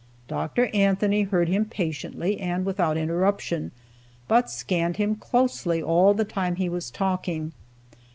Dr. Anthony heard him patiently, and without interruption, but scanned him closely all the time he was talking.